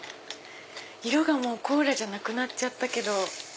色がコーラじゃなくなったけど。